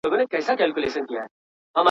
نه یې مال نه یې دولت وي ورته پاته.